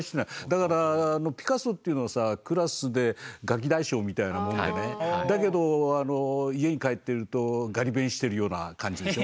だからピカソというのはさクラスでガキ大将みたいなものでねだけどあの家に帰ってるとガリ勉してるような感じでしょ。